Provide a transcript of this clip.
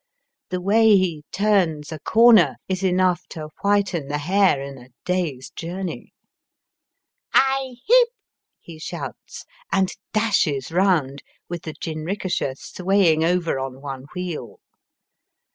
The way he turns a comer is enough to whiten the hair in a day's journey. " Aye, heep !" he shouts, and dashes round, with the jinrikisha sway ing over on one wheel.